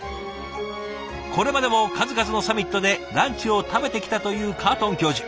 これまでも数々のサミットでランチを食べてきたというカートン教授。